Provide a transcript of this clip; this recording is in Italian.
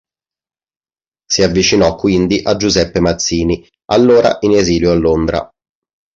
Si avvicinò quindi a Giuseppe Mazzini, allora in esilio a Londra.